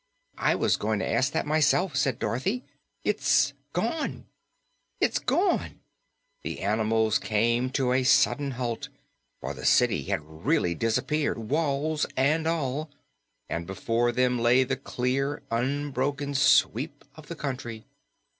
"I was going to ask that myself," said Dorothy. "It's gone!" "It's gone!" The animals came to a sudden halt, for the city had really disappeared, walls and all, and before them lay the clear, unbroken sweep of the country.